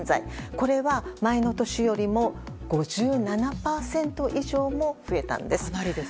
これは、前の年よりも５７％以上も増えたんです。